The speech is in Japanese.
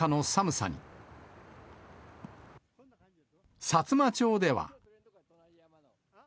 さつま町では。